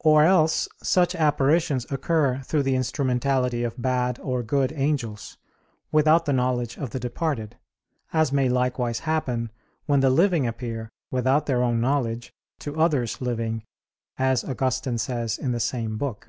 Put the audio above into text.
Or else such apparitions occur through the instrumentality of bad or good angels, without the knowledge of the departed; as may likewise happen when the living appear, without their own knowledge, to others living, as Augustine says in the same book.